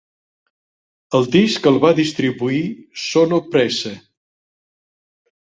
El disc el va distribuir Sonopresse.